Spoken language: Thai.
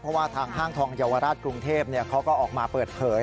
เพราะว่าทางห้างทองเยาวราชกรุงเทพเขาก็ออกมาเปิดเผย